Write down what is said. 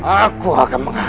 aku akan mengambilmu